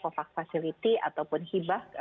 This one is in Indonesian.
covax facility ataupun hibah